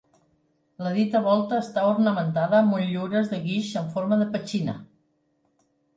La dita volta està ornamentada amb motllures de guix en forma de petxina.